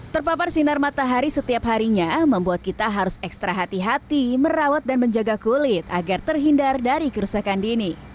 terpapar sinar matahari setiap harinya membuat kita harus ekstra hati hati merawat dan menjaga kulit agar terhindar dari kerusakan dini